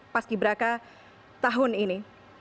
paski beraka tahun ini